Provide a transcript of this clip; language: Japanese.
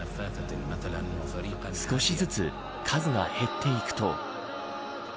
少しずつ数が減っていくと。